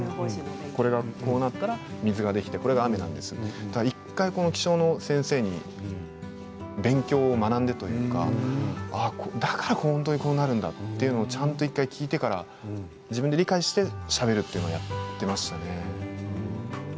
これがこうなったら水ができて雨なんですよとか１回、気象の先生に勉強、学んでというかだからこうなるんだということを１回、聞いてから自分で理解をして、しゃべるということをやっていました。